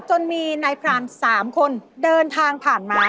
จนมีนายพราน๓คนเดินทางผ่านมา